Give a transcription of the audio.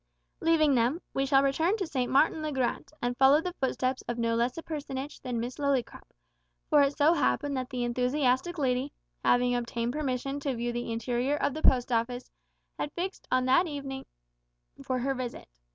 Leaving them, we shall return to St. Martin's le Grand, and follow the footsteps of no less a personage than Miss Lillycrop, for it so happened that that enthusiastic lady, having obtained permission to view the interior of the Post Office, had fixed on that evening for her visit.